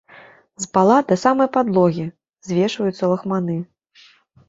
З пала да самай падлогі звешваюцца лахманы.